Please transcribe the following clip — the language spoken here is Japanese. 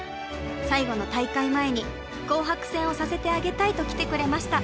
最後の大会前に紅白戦をさせてあげたいと来てくれました。